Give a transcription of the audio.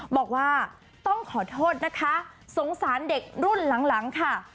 บอกว่าต้องขอโทษนะคะสงสารเด็กรุ่นหลังค่ะ